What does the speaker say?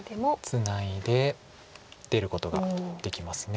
ツナいで出ることができます。